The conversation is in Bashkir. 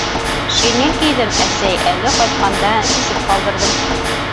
— Шинель кейҙем, әсәй, әле ҡайтҡанда сисеп ҡалдырҙым.